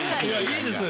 いいですね。